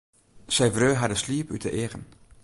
Sy wreau har de sliep út de eagen.